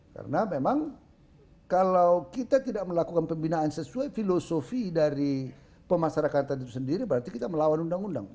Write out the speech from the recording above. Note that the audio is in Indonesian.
karena memang kalau kita tidak melakukan pembinaan sesuai filosofi dari pemasarakannya sendiri berarti kita melawan undang undang